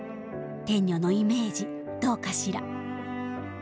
天女のイメージどうかしら？